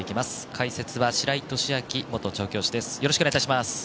解説は白井寿昭元調教師です。